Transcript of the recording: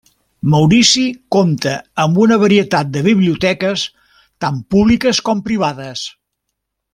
Maurici compta amb una varietat de biblioteques, tant públiques com privades.